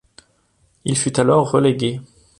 Il fut alors relégué.